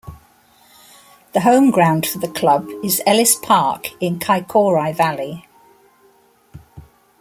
The home ground for the club is Ellis Park in Kaikorai Valley.